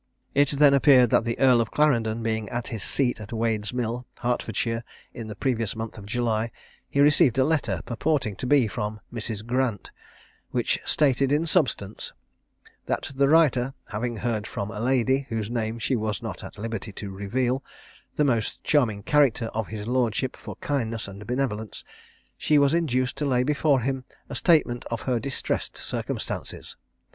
It then appeared that the Earl of Clarendon being at his seat at Wade's Mill, Hertfordshire, in the previous month of July, he received a letter, purporting to be from Mrs. Grant, which stated in substance: That the writer having heard from a lady, whose name she was not at liberty to reveal, the most charming character of his lordship for kindness and benevolence, she was induced to lay before him a statement of her distressed circumstances.